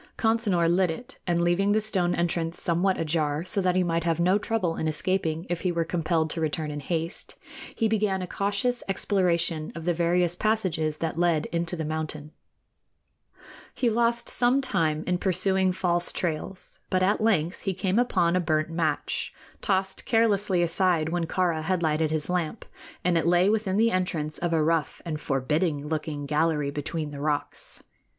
Consinor lit it, and, leaving the stone entrance somewhat ajar, so that he might have no trouble in escaping if he were compelled to return in haste, he began a cautious exploration of the various passages that led into the mountain. He lost some time in pursuing false trails; but at length he came upon a burnt match, tossed carelessly aside when Kāra had lighted his lamp, and it lay within the entrance of a rough and forbidding looking gallery between the rocks.